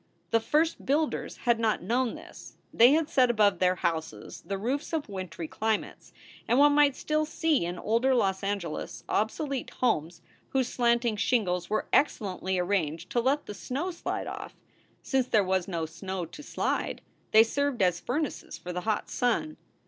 The first builders had not known this. They had set above their houses the roofs of wintry climates, and one might still see in older Los Angeles obsolete homes whose slanting shingles were excellently arranged to let the snow slide off. Since there was no snow to slide, they served as furnaces for the hot sun.